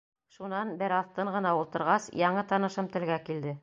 Шунан, бер аҙ тын ғына ултырғас, яңы танышым телгә килде.